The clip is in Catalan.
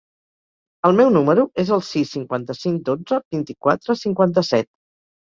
El meu número es el sis, cinquanta-cinc, dotze, vint-i-quatre, cinquanta-set.